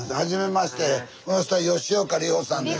この人は吉岡里帆さんです。